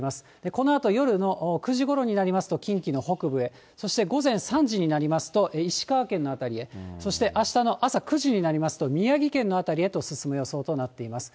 このあと夜の９時ごろになりますと、近畿の北部へ、そして午前３時になりますと、石川県の辺りへ、そしてあしたの朝９時になりますと、宮城県の辺りへと進む予想となっています。